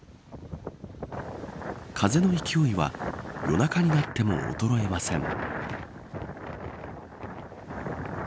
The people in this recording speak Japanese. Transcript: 風の勢いは夜中になっても衰えません。